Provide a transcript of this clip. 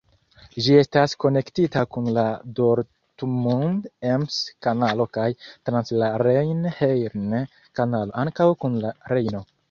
Ĝi estas konektita kun la Dortmund-Ems-Kanalo kaj trans la Rejn-Herne-Kanalo ankaŭ kun la Rejno.